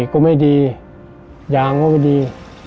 ก็ไม่ดียางก็ไม่ดี